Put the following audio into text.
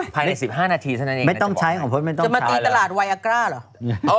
ฮะโอ้ยไม่ต้องใช้ของพลไม่ต้องใช้จะมาตีตลาดไวอากร่าหรอ